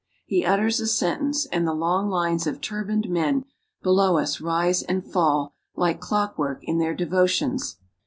He utters a sentence, and the long lines of turbaned men below us rise and fall like clockwork in their devotions.